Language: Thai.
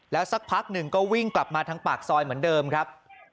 สักพักหนึ่งก็วิ่งกลับมาทางปากซอยเหมือนเดิมครับ